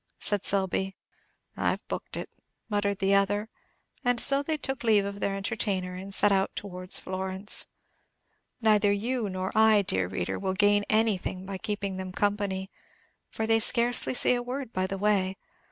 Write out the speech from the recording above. said Selby. "I've booked it," muttered the other; and so they took leave of their entertainer, and set out towards Florence. Neither you nor I, dear reader, will gain anything by keeping them company, for they say scarcely a word by the way.